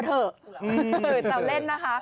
แซวเล่นนะคะ